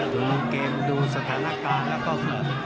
ดูเกมดูสถานการณ์แล้วก็เผิน